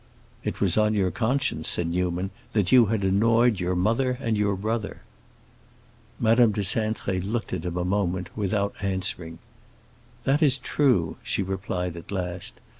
"It was on your conscience," said Newman, "that you had annoyed your mother and your brother." Madame de Cintré looked at him a moment without answering. "That is true," she replied at last.